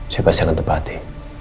saya pasti akan tepati